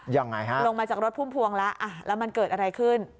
ยังไงฮะลงมาจากรถพุ่มพวงแล้วแล้วมันเกิดอะไรขึ้น